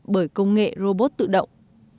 bởi công nghệ robot tự động